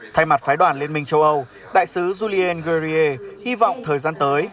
thay mặt phái đoàn liên minh châu âu đại sứ julien guerrier hy vọng thời gian tới